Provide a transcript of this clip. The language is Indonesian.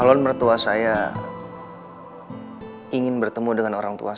kalau mertua saya ingin bertemu dengan orang tua saya